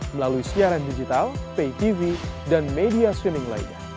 melalui siaran digital pay tv dan media switming lainnya